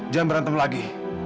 jangan berantem lagi